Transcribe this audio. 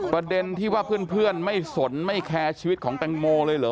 ประเด็นที่ว่าเพื่อนไม่สนไม่แคร์ชีวิตของแตงโมเลยเหรอ